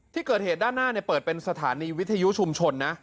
ที่เกิดเหตุด้านหน้าเปิดเป็นสถานีวิทยุชุมชนนะ